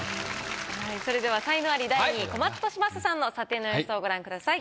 はいそれでは才能アリ第２位小松利昌さんの査定の様子をご覧ください。